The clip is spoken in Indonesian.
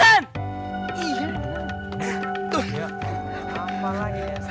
sampai lagi ya san